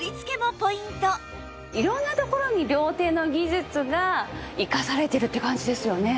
色んなところに料亭の技術が生かされてるって感じですよね。